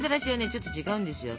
ちょっと違うんですよ。